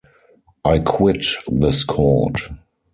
I quit this court!